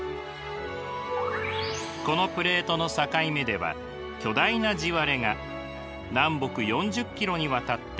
このプレートの境目では巨大な地割れが南北４０ｋｍにわたって続いています。